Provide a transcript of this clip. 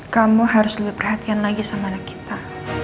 kamu harus lebih perhatian lagi sama anak kita